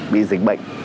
bị dịch bệnh